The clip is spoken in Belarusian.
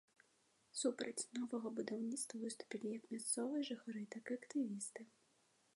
Супраць новага будаўніцтва выступілі як мясцовыя жыхары, так і актывісты.